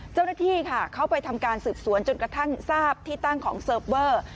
เจ้าหน้าที่ค่ะเข้าไปทำการสืบสวนจนกระทั่งทราบที่ตั้งของเซิร์ฟเวอร์